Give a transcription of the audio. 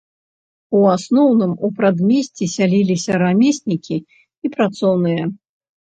У асноўным у прадмесці сяліліся рамеснікі і працоўныя.